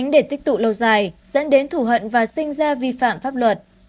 để tích tụ lâu dài dẫn đến thủ hận và sinh ra vi phạm pháp luật